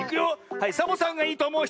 はいサボさんがいいとおもうひと！